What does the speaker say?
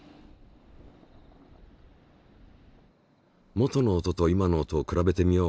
元の音と今の音を比べてみよう。